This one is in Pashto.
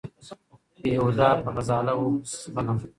بېهوده په غزاله وو پسې ځغلم